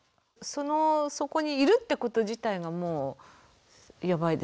そのそこにいるってこと自体がもうヤバいですよね。